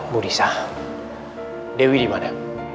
bu nisa dewi dimana